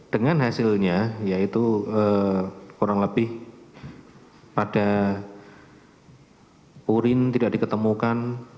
dengan hasilnya yaitu kurang lebih pada urin tidak diketemukan